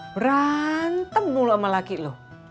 berantem mulu sama laki lu